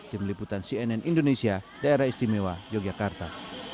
tim liputan cnn indonesia daerah istimewa yogyakarta